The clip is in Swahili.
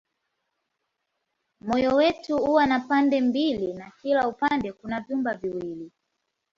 Moyo wetu huwa na pande mbili na kila upande kuna vyumba viwili.